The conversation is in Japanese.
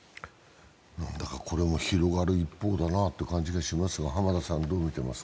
これも広がる一方だなという感じがしますが、浜田さん。